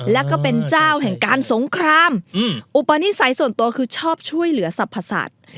แล้วก็เป็นเจ้าแห่งการสงครามอุปนิสัยส่วนตัวคือชอบช่วยเหลือสรรพสัตว์